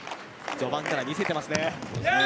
序盤から見せていますね。